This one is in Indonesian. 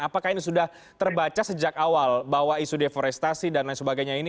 apakah ini sudah terbaca sejak awal bahwa isu deforestasi dan lain sebagainya ini